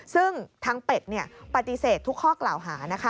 ซึ่งทางเป็ดปฏิเสธทุกข้อกล่าวหานะคะ